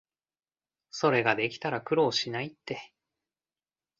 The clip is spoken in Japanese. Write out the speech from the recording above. それができたら苦労しないって